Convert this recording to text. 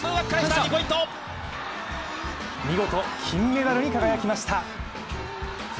見事、金メダルに輝きました。